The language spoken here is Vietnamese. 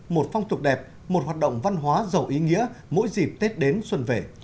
một phong tục đẹp một hoạt động văn hóa giàu ý nghĩa mỗi dịp tết đến xuân về